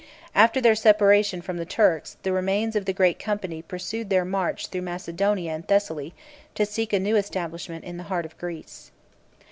After their separation from the Turks, the remains of the great company pursued their march through Macedonia and Thessaly, to seek a new establishment in the heart of Greece.